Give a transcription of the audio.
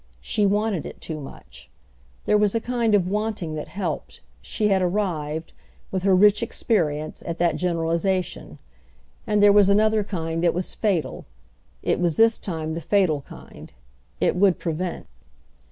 She wanted it too much. There was a kind of wanting that helped—she had arrived, with her rich experience, at that generalisation; and there was another kind that was fatal. It was this time the fatal kind; it would prevent.